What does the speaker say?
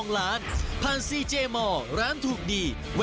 เอาล่ะอะไร